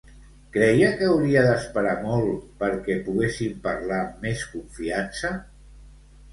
Creia que hauria d'esperar molt perquè poguessin parlar amb més confiança?